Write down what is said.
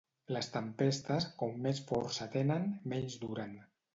Les tempestes, com més força tenen, menys duren.